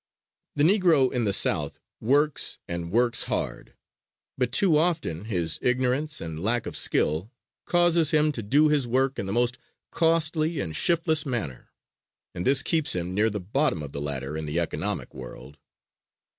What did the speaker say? The Negro in the South works and works hard; but too often his ignorance and lack of skill causes him to do his work in the most costly and shiftless manner, and this keeps him near the bottom of the ladder in the economic world.